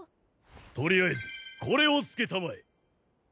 とりあえずこれをつけたまえ！